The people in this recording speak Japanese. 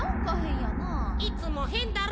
いつもへんだろ。